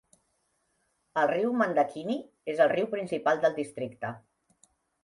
El riu Mandakini és el riu principal del districte.